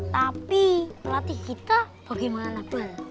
tapi pelatih kita bagaimana bal